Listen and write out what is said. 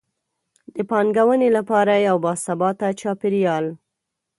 د پانګونې لپاره یو باثباته چاپیریال.